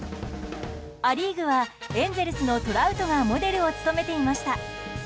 ア・リーグはエンゼルスのトラウトがモデルを務めていました。